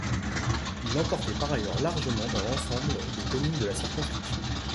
Il l'emportait par ailleurs largement dans l'ensemble des communes de la circonscription.